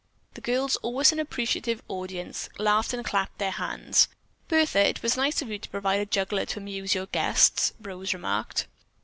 The girls, always an appreciative audience, laughed and clapped their hands. "Bertha, it was nice of you to provide a juggler to amuse your guests," Rose remarked.